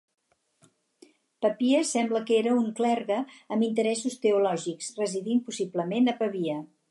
Papies sembla que era un clergue amb interessos teològics, residint possiblement a Pavia.